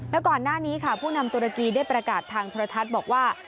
แล้วก่อนหน้านี้ค่ะผู้นำตุรกีได้ประกาศทางโทรทัศน์บอกว่า